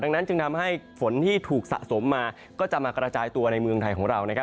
ดังนั้นจึงทำให้ฝนที่ถูกสะสมมาก็จะมากระจายตัวในเมืองไทยของเรา